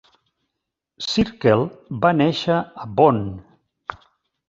Zirkel va néixer a Bonn.